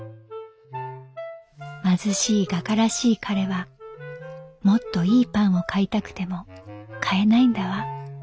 「貧しい画家らしい彼はもっといいパンを買いたくても買えないんだわ。